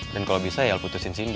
dan kalau bisa ya lo putusin cindy